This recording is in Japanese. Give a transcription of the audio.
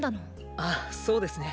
ああそうですね。